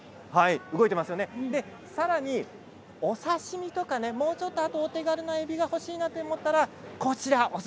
さらにお刺身とかもうちょっとお手軽なえびが欲しいなと思ったらこちらです。